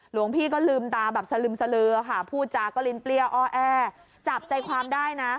หลวงพี่ก็ลืมตาแบบสลึมสลือค่ะพูดจาก็ลินเปรี้ยวอ้อแอจับใจความได้นะ